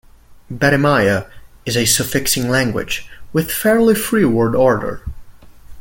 Badimaya is a suffixing language with fairly free word order.